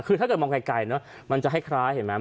คือถ้าเกิดมองไกลเนอะมันจะคล้ายเห็นไหม